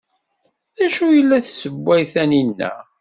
D acu ay la tessewway Taninna?